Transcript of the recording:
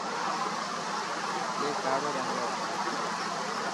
اي ڪاڙو رنگ هي.